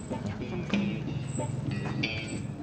terima kasih bu